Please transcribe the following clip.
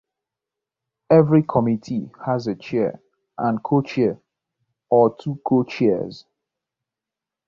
Every committee has a Chair and Co-Chair or two Co-Chairs.